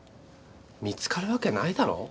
見つかるわけないだろ。